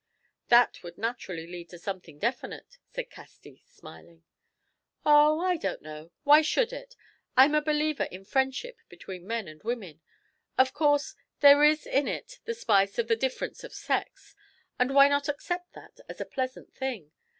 "That would naturally lead to something definite," said Casti, smiling. "Oh, I don't know. Why should it? I'm a believer in friendship between men and women. Of course there is in it the spice of the difference of sex, and why not accept that as a pleasant thing?